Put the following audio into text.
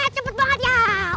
cepet banget ya